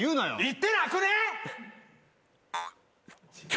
言ってなくねぇ？